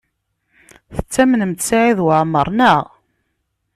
Tettamnemt Saɛid Waɛmaṛ, naɣ?